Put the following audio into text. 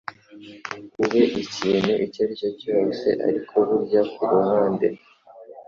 ube ikintu icyo aricyo cyose ariko burya kuruhande